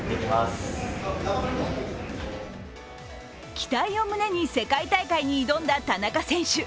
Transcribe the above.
期待を胸に、世界大会に挑んだ田中選手。